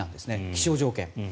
気象条件。